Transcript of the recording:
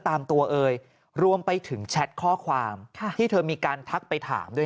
ตามตัวเอ่ยรวมไปถึงแชทข้อความที่เธอมีการทักไปถามด้วย